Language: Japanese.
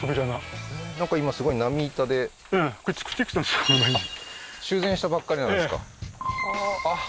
なんか今すごいあっ修繕したばっかりなんですかあっ